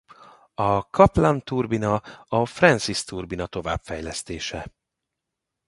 A Kaplan-turbina a Francis-turbina továbbfejlesztése.